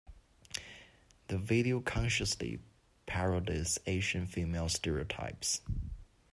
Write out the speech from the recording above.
The video consciously parodies Asian female stereotypes.